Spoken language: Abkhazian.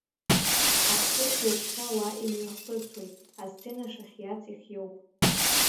Ахҭыс ҩаԥхьа уа имҩаԥысуеит, Асцена шыхиац ихиоуп.